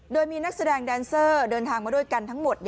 โดยมีนักแสดงแดนเซอร์เดินทางมาด้วยกันทั้งหมด